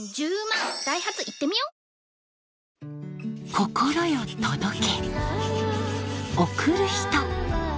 心よ届け